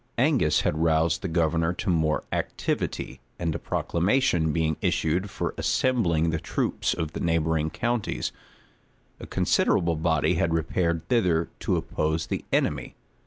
Angus had roused the governor to more activity; and a proclamation being issued for assembling the troops of the neighboring counties, a considerable body had repaired thither to oppose the enemy.